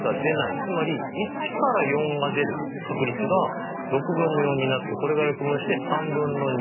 つまり１から４が出る確率が６分の４になってこれが約分をして３分の２。